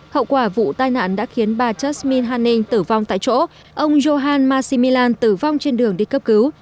hậu quả vụ tai nạn đã khiến bà chasmine hanning tử vong tại chỗ ông johan massimilan tử vong trên đường đi cấp cứu